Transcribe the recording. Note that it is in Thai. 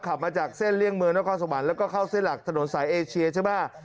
ขับมาจากเส้นเลี่ยงเมืองนอกศักดิ์สมันแล้วก็เข้าเส้นหลักถนนสายเอเชียใช่ป่าว